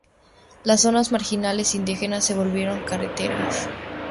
Las zonas marginales indígenas, se volvieron carreteras.